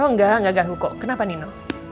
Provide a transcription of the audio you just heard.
oh enggak enggak ganggu kok kenapa nino